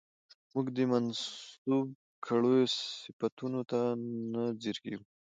موږ دې منسوب کړيو صفتونو ته نه ځير کېږو